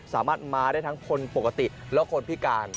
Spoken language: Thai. สามารถมาได้ทั้งคนปกติและคนพิการ